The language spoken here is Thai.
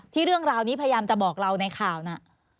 เรื่องราวนี้พยายามจะบอกเราในข่าวน่ะ